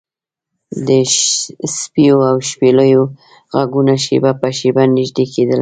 د سپیو او شپېلیو غږونه شیبه په شیبه نږدې کیدل